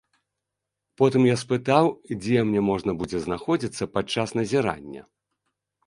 Потым я спытаў, дзе мне можна будзе знаходзіцца падчас назірання.